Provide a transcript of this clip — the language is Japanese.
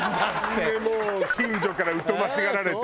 それで近所から疎ましがられて。